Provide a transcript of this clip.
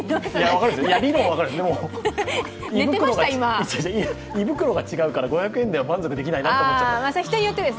理論は分かるんですけど、胃袋が違うから、５００円では満足できないなって思っちゃった。